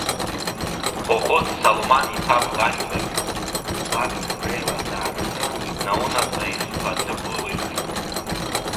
Хәыхәыт Салуман-иԥа Бӷажәбагьы убарҭ реилазаараҿы наунагӡа изқәа аҭыԥ ылихит.